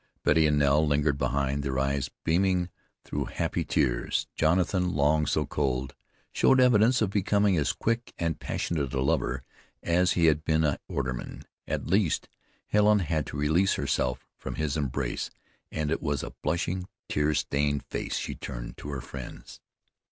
Betty and Nell lingered behind, their eyes beaming through happy tears. Jonathan, long so cold, showed evidence of becoming as quick and passionate a lover as he had been a borderman. At least, Helen had to release herself from his embrace, and it was a blushing, tear stained face she turned to her friends.